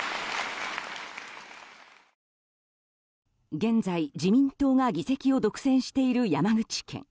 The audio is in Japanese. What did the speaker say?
現在、自民党が議席を独占している山口県。